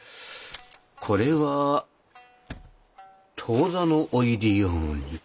これは当座のお入り用に。